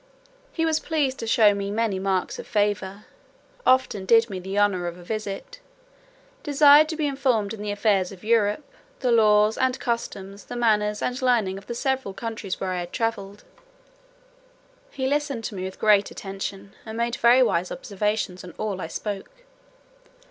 He was pleased to show me many marks of favour, often did me the honour of a visit, desired to be informed in the affairs of Europe, the laws and customs, the manners and learning of the several countries where I had travelled. He listened to me with great attention, and made very wise observations on all I spoke.